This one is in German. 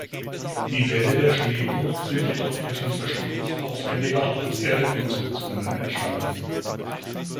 Die Wälle der Schneeburg sind jedoch durch den Versturz aufwändiger Holz-Erde-Konstruktionen entstanden.